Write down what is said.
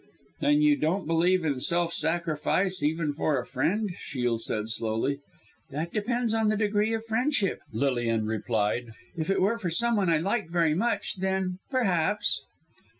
"Then you don't believe in self sacrifice, even for a friend?" Shiel said slowly. "That depends on the degree of friendship," Lilian replied. "If it were for some one I liked very much, then perhaps!"